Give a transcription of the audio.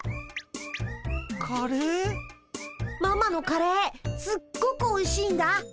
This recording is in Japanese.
ママのカレーすっごくおいしいんだ。